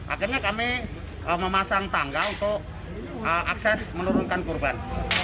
akhirnya kami memasang tangga untuk akses menurunkan korban